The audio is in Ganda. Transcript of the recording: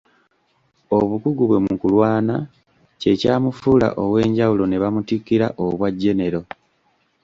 Obukugu bwe mu kulwana kye kyamufuula ow'enjawulo ne bamutikkira obwa genero.